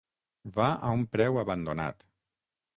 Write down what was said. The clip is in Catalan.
Va a un preu abandonat.